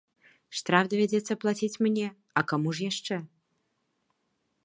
Штраф давядзецца плаціць мне, а каму ж яшчэ?